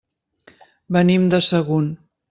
Venim de Sagunt.